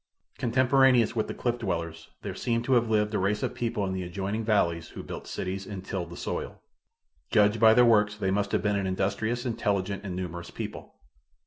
Contemporaneous with the cliff dwellers there seems to have lived a race of people in the adjoining valleys who built cities and tilled the soil. Judged by their works they must have been an industrious, intelligent and numerous people.